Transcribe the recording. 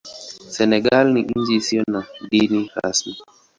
Senegal ni nchi isiyo na dini rasmi.